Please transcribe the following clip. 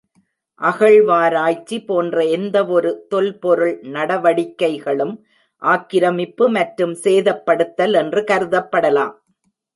அகழ்வாராய்ச்சி போன்ற எந்தவொரு தொல்பொருள் நடவடிக்கைகளும் ஆக்கிரமிப்பு மற்றும் சேதப்படுத்துதல் என்று கருதப்படலாம்.